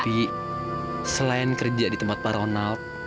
tapi selain kerja di tempat pak ronald